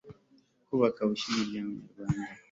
kubaka bushya umuryango nyarwanda